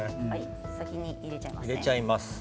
先に入れてしまいます。